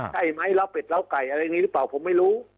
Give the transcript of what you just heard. ใช่ไหมล้าวเป็ดล้าไก่อะไรอย่างนี้หรือเปล่าผมไม่รู้